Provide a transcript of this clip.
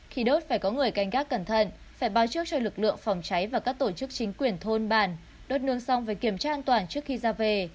khi đốt phải có người canh gác cẩn thận phải báo trước cho lực lượng phòng cháy và các tổ chức chính quyền thôn bản đốt nương xong phải kiểm tra an toàn trước khi ra về